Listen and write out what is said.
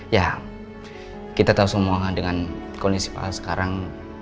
ya kita tau semua dengan kondisi pak al sekarang